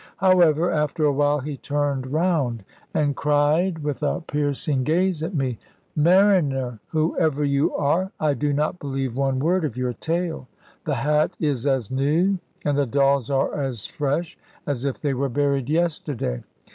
However, after a while he turned round, and cried with a piercing gaze at me "Mariner, whoever you are, I do not believe one word of your tale. The hat is as new and the dolls are as fresh as if they were buried yesterday.